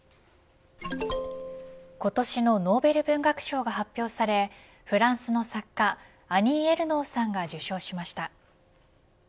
今年のノーベル文学賞が発表されフランスの作家アニー・エルノーさんが受賞しました。